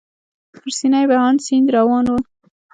پر سینه یې بهاند سیند روان و.